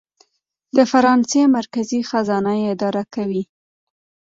د فرانسې مرکزي خزانه یې اداره کوي.